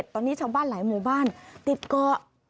ตอนนี้ชาวบ้านหลายหมู่บ้านติดเกาะ